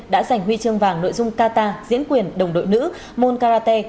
đã giành huy chương vàng nội dung kata diễn quyền đồng đội nữ mon karate